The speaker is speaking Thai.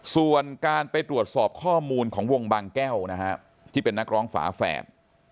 ส่วนการไปตรวจสอบข้อมูลของวงบางแก้วนะฮะที่เป็นนักร้องฝาแฝด